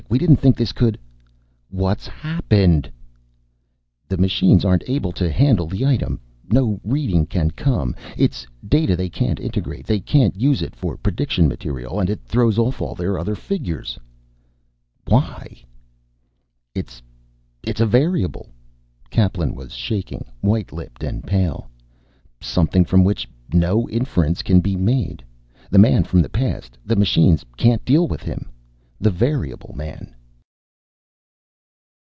We didn't think this could " "What's happened?" "The machines aren't able to handle the item. No reading can come. It's data they can't integrate. They can't use it for prediction material, and it throws off all their other figures." "Why?" "It's it's a variable." Kaplan was shaking, white lipped and pale. "Something from which no inference can be made. The man from the past. The machines can't deal with him. The variable man!"